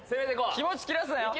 気持ち切らすなよ